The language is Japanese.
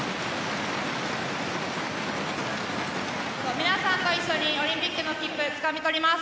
皆さんと一緒にオリンピックの切符をつかみ取ります。